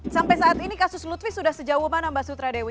sampai saat ini kasus lutfi sudah sejauh mana mbak sutradewi